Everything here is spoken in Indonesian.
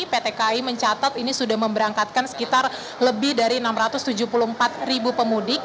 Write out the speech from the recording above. pt kai mencatat ini sudah memberangkatkan sekitar lebih dari enam ratus tujuh puluh empat ribu pemudik